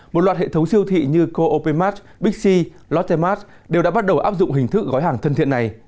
một loạt hệ thống siêu thị như co opemat bixi lotte mart đều đã bắt đầu áp dụng hình thức gói hàng thân thiện này